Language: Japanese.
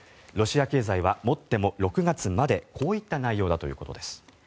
ロシア経済はもっても６月までというこういった内容だということです。